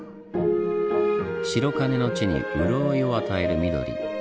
白金の地に潤いを与える緑。